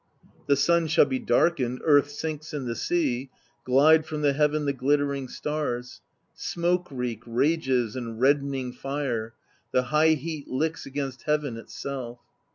The sun shall be darkened, earth sinks in the sea, — Glide from the heaven the glittering stars; Smoke reek rages and reddening fire: The high heat licks against heaven itself.